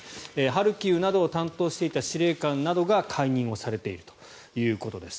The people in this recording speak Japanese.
ハルキウなどを担当していた司令官などが解任されているということです。